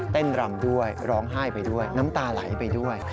รำด้วยร้องไห้ไปด้วยน้ำตาไหลไปด้วย